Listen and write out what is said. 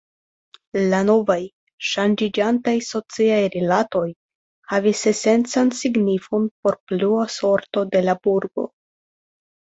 La novaj, ŝanĝiĝantaj sociaj rilatoj, havis esencan signifon por plua sorto de la burgo.